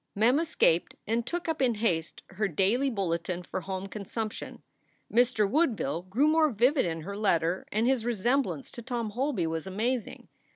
Mem escaped and took up in haste her daily bulletin for home consumption. Mr. Woodville grew more vivid in her letter and his resemblance to Tom Holby was amazing.